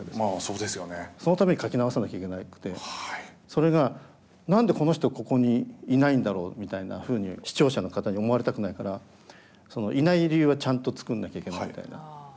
それが何でこの人ここにいないんだろうみたいなふうに視聴者の方に思われたくないからいない理由はちゃんと作んなきゃいけないみたいな。